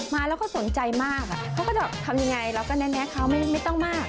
มาแล้วก็สนใจมากเขาก็จะทำยังไงเราก็แนะเขาไม่ต้องมาก